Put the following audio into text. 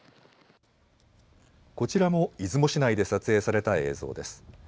こちらも出雲市内で撮影された映像です。